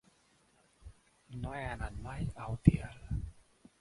No he anat mai a Utiel.